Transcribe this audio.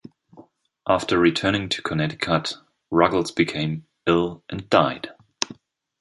After returning to Connecticut, Ruggles became ill and died.